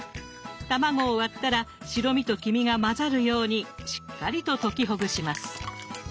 卵を割ったら白身と黄身が混ざるようにしっかりと溶きほぐします。